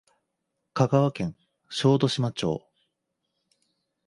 香川県小豆島町